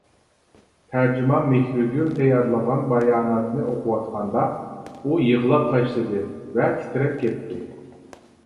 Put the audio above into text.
تەرجىمان مېھرىگۈل تەييارلىغان باياناتنى ئوقۇۋاتقاندا، ئۇ يىغلاپ تاشلىدى ۋە تىترەپ كەتتى.